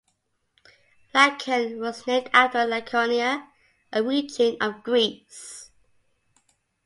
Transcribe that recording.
Lacon was named after Laconia, a region of Greece.